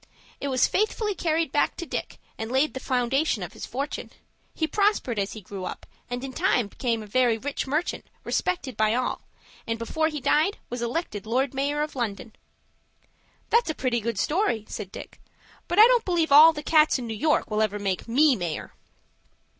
It was faithfully carried back to Dick, and laid the foundation of his fortune. He prospered as he grew up, and in time became a very rich merchant, respected by all, and before he died was elected Lord Mayor of London." "That's a pretty good story," said Dick; "but I don't believe all the cats in New York will ever make me mayor."